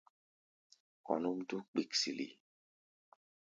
Kɔ̧ núʼm dúk kpiksilik.